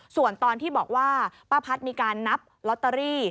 ส่วนตอนที่บอกว่าป้าพัดมีการนับลอตเตอรี่